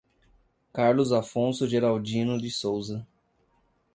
Carlos Afonso Geraldino de Souza